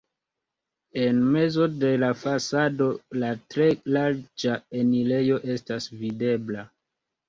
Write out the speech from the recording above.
En mezo de la fasado la tre larĝa enirejo estas videbla.